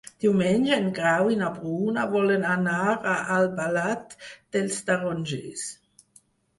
Diumenge en Grau i na Bruna volen anar a Albalat dels Tarongers.